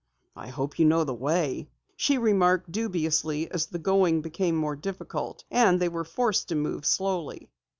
"I hope you know the way," she remarked dubiously as the going became more difficult, and they were forced to move slowly.